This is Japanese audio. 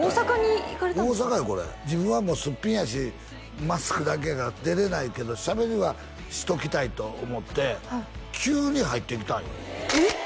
これ自分はもうすっぴんやしマスクだけやから出れないけどしゃべりはしときたいと思って急に入ってきたんよえっ？